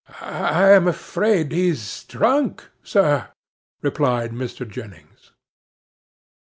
'I am afraid he's drunk, sir,' replied Mr. Jennings.